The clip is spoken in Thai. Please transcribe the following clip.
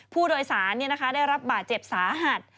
ผู้โดยสารได้รับบาดเจ็บสาหัส